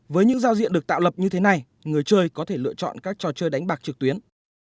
với những giao diện được tạo lập như thế này người chơi có thể lựa chọn các trò chơi đánh bạc trực tuyến